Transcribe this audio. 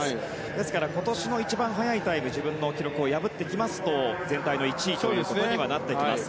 ですから、今年の一番早いタイム自分の記録を破ってきますと全体の１位にはなってきます。